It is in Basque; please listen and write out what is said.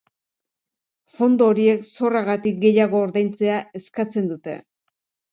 Fondo horiek zorragatik gehiago ordaintzea eskatzen dute.